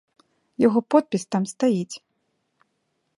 Яго подпіс там стаіць.